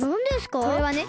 これはね